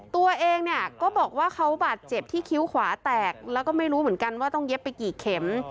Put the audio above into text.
ตัวเองเนี่ยก็บอกว่าเขาบาดเจ็บที่คิ้วขวาแตกแล้วก็ไม่รู้เหมือนกันว่าต้องเย็บไปกี่เข็ม